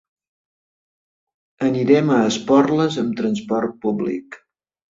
Anirem a Esporles amb transport públic.